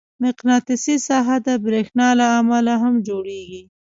مقناطیسي ساحه د برېښنا له امله هم جوړېږي.